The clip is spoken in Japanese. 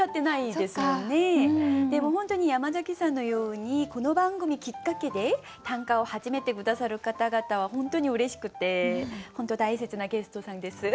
でも本当に山崎さんのようにこの番組きっかけで短歌を始めて下さる方々は本当にうれしくて本当大切なゲストさんです。